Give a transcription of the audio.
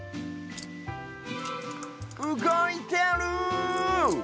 うごいてる！